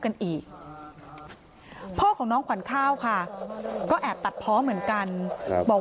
กันอีกพ่อของน้องขวัญข้าวค่ะก็แอบตัดเพาะเหมือนกันบอก